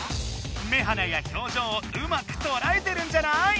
目鼻やひょうじょうをうまくとらえてるんじゃない？